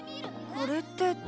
これって。